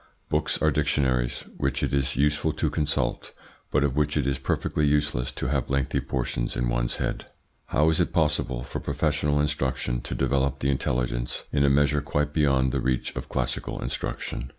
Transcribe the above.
Books are dictionaries, which it is useful to consult, but of which it is perfectly useless to have lengthy portions in one's head. How is it possible for professional instruction to develop the intelligence in a measure quite beyond the reach of classical instruction?